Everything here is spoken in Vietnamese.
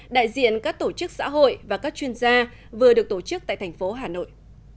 đại diện các tổ chức xã hội và các chuyên gia vừa được tổ chức tại thành phố hà nội